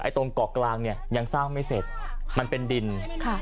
ตรงเกาะกลางเนี่ยยังสร้างไม่เสร็จมันเป็นดินค่ะ